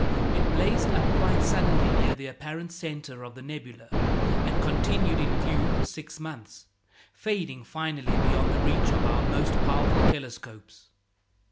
It blazed up quite suddenly near the apparent centre of the nebula, and continued in view for six months, fading finally beyond the reach of our most powerful telescopes.